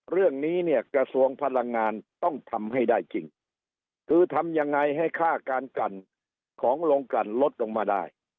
เรื่องนี้เนี่ยกระทรวงพลังงานต้องทำให้ได้จริงคือทำยังไงให้ค่าการกันของโรงกันลดลงมาได้